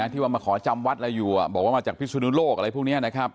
ที่ว่ามาขอจำวัดอะไรอยู่บอกว่ามาจากพิศนุโลกอะไรพวกนี้นะครับ